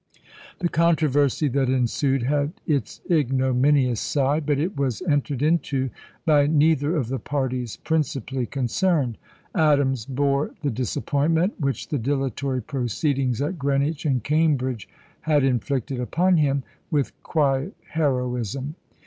The controversy that ensued had its ignominious side; but it was entered into by neither of the parties principally concerned. Adams bore the disappointment, which the dilatory proceedings at Greenwich and Cambridge had inflicted upon him, with quiet heroism.